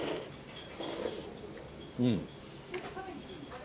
うん。